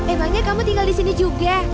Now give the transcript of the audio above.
emangnya kamu tinggal di sini juga